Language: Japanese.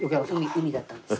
海だったんです。